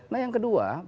nah yang kedua